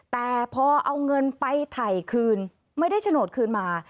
แต่พอเอาเงินไปถ่ายคืนไม่ได้โฉนดคืนมา